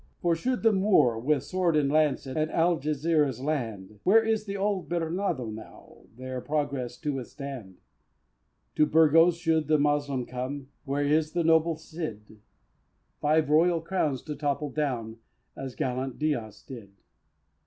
For should the Moor with sword and lance At Algesiras land, Where is the bold Bernardo now Their progress to withstand? To Burgos should the Moslem come, Where is the noble Cid Five royal crowns to topple down As gallant Diaz did?